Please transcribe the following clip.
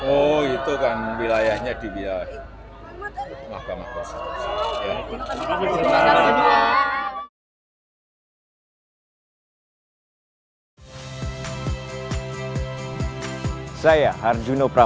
oh itu kan wilayahnya di wilayah mahkamah konstitusi